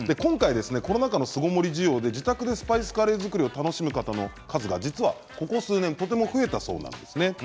コロナ禍の巣ごもり需要で自宅でスパイスカレーを楽しむ方の数がここ数年増えたそうなんです。